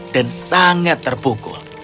dan sangat terpukul